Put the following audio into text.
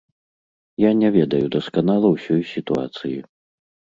Я не ведаю дасканала ўсёй сітуацыі.